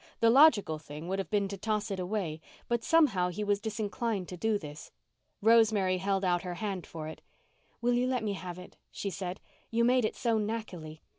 The logical thing would have been to toss it away, but somehow he was disinclined to do this. Rosemary held out her hand for it. "Will you let me have it?" she said. "You made it so knackily.